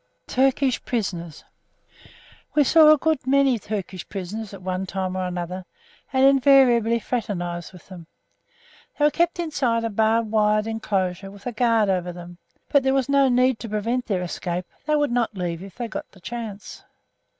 TURKISH PRISONERS We saw a good many Turkish prisoners at one time or another, and invariably fraternised with them. They were kept inside a barbed wire enclosure with a guard over them; but there was no need to prevent their escape they would not leave if they got the chance.